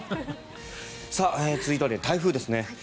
続いては台風ですね。